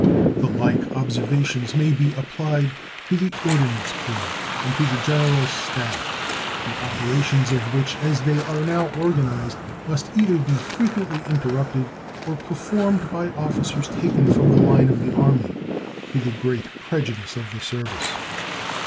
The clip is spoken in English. The like observations may be applied to the Ordnance Corps and to the general staff, the operations of which as they are now organized must either be frequently interrupted or performed by officers taken from the line of the Army, to the great prejudice of the service.